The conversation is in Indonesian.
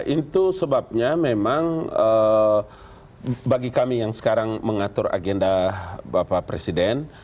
itu sebabnya memang bagi kami yang sekarang mengatur agenda bapak presiden